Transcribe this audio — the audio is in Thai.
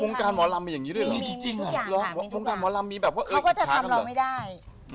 การหมอลำมีอย่างนี้ด้วยเหรอวงการหมอลำมีแบบว่าเขาก็จะทำเราไม่ได้